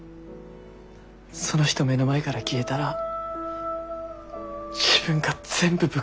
その人目の前から消えたら自分が全部ぶっ壊れる。